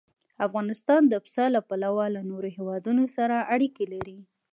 افغانستان د پسه له پلوه له نورو هېوادونو سره اړیکې لري.